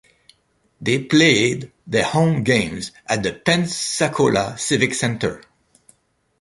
They played their home games at the Pensacola Civic Center.